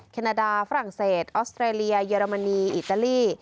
แคนาดาฝรั่งเศสออสเตรเลียเยอรมนีอิตาลี